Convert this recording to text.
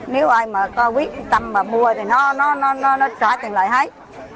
nếu ai mà có quyết tâm mà mua thì nó trả tiền lại hết